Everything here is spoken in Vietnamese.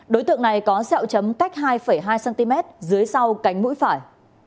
đối tượng này có xeo chấm cách hai hai cm dưới sau cánh mũi phải